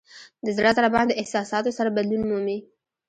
د زړه ضربان د احساساتو سره بدلون مومي.